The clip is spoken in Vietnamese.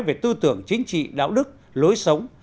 về tư tưởng chính trị đạo đức lối sống